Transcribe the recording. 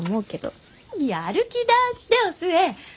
やる気出してお寿恵！